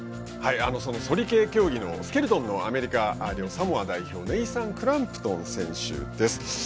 ソリ系競技のスケルトンのアメリカ領サモア代表のネイサン・クランプトン選手です。